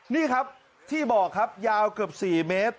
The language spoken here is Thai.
นี่ครับที่บอกครับยาวเกือบ๔เมตร